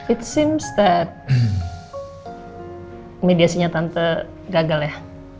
it seems that mediasinya tante gagal ya